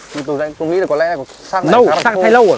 nhưng tôi nghĩ là có lẽ xác này đã thay lâu rồi